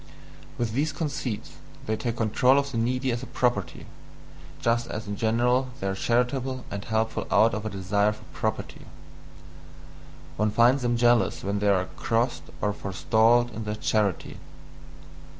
With these conceits, they take control of the needy as a property, just as in general they are charitable and helpful out of a desire for property. One finds them jealous when they are crossed or forestalled in their charity.